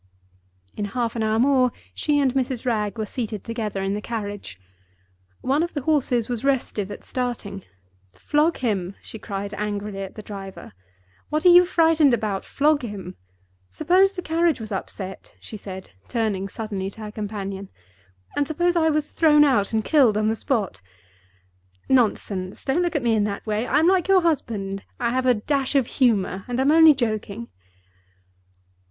In half an hour more she and Mrs. Wragge were seated together in the carriage. One of the horses was restive at starting. "Flog him," she cried angrily to the driver. "What are you frightened about? Flog him! Suppose the carriage was upset," she said, turning suddenly to her companion; "and suppose I was thrown out and killed on the spot? Nonsense! don't look at me in that way. I'm like your husband; I have a dash of humor, and I'm only joking."